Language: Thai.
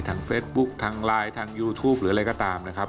เฟซบุ๊คทางไลน์ทางยูทูปหรืออะไรก็ตามนะครับ